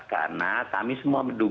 karena kami semua berdua